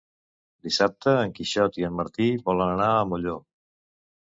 Dissabte en Quixot i en Martí volen anar a Molló.